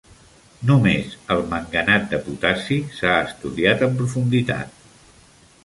Només el manganat de potassi s'ha estudiat en profunditat.